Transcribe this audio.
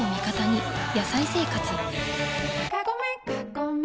「野菜生活」